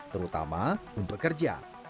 terutama untuk kerja